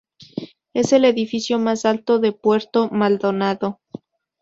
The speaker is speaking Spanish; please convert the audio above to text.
Es el edificio más alto de Puerto Maldonado.